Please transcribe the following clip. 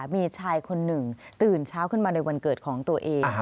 มีชายคนหนึ่งตื่นเช้าขึ้นมาในวันเกิดของตัวเอง